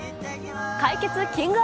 解決！